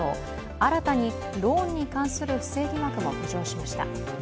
新たにローンに関する不正疑惑も浮上しました。